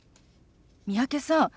三宅さん